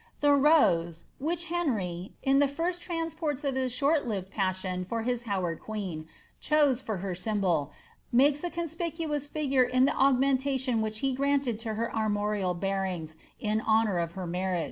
The rose, which Henry, in the first transports of his short lived pts sion for his Howard queen, chose for her symbol, makes a conspicnoos figure in the augmentation which he granted to her armorial bearings in honour of her marriage.